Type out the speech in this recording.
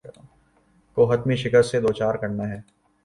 کو حتمی شکست سے دوچار کرنا ہے۔